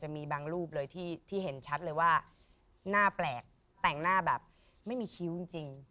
มีบางรูปเลยที่เห็นชัดเลยว่าหน้าแปลกแต่งหน้าแบบไม่มีคิ้วจริง